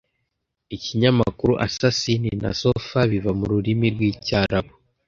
Ikinyamakuru Assassin na Sofa biva mururimi rwicyarabu